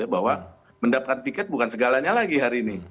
bahwa mendapatkan tiket bukan segalanya lagi hari ini